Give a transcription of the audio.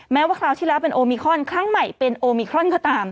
ว่าคราวที่แล้วเป็นโอมิครอนครั้งใหม่เป็นโอมิครอนก็ตาม